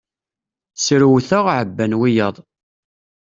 Srewteɣ, ɛebban wiyaḍ.